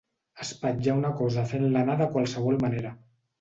Espatllar una cosa fent-la anar de qualsevol manera.